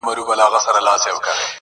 لکه په کلي کي بې کوره ونه!!